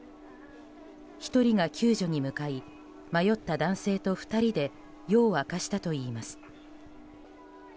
１人が救助に向かい迷った男性と２人で夜を明かしたといいます。